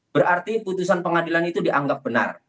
berarti putusan pengadilan itu dianggap benar